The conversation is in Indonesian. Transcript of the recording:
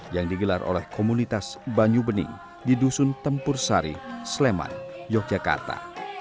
yang digelar oleh komunitas banyu bening di dusun tempur sari sleman yogyakarta